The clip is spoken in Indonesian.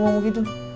nama lo kayak begitu